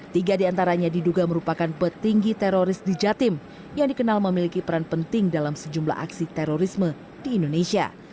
tiga diantaranya diduga merupakan petinggi teroris di jatim yang dikenal memiliki peran penting dalam sejumlah aksi terorisme di indonesia